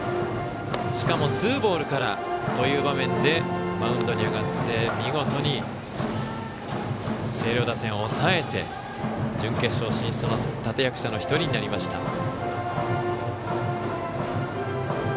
しかもツーボールからという場面でマウンドに上がって見事に星稜打線を抑えて準決勝進出の立役者の１人になりました。